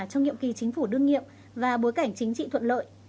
trong nhiệm kỳ chính phủ đương nghiệp và bối cảnh chính trị thuận lợi